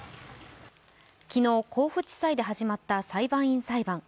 昨日、甲府地裁で始まった裁判員裁判。